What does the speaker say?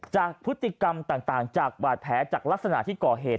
จากพฤติกรรมต่างจากบาดแผลจากลักษณะที่ก่อเหตุ